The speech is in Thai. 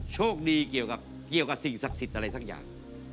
โชคดีเกี่ยวกับสิ่งศักดิ์สิทธิ์อะไรสักอย่าง